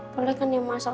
boleh kan ya mas al